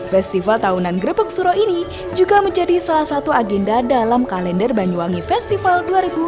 festival tahunan grebek suro ini juga menjadi salah satu agenda dalam kalender banyuwangi festival dua ribu dua puluh